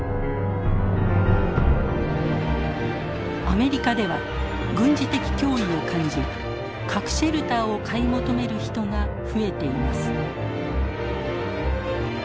アメリカでは軍事的脅威を感じ核シェルターを買い求める人が増えています。